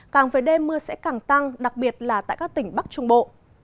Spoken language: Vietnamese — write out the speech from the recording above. càng về đêm mưa sẽ càng tăng đặc biệt là tại các tỉnh bắc trung bộ